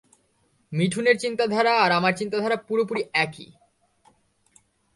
মিঠুনের চিন্তাধারা আর আমার চিন্তাধারা পুরোপুরি একই।